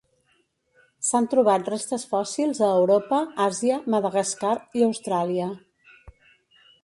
S'han trobat restes fòssils a Europa, Àsia, Madagascar, i Austràlia.